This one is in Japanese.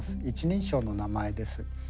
１人称の名前です。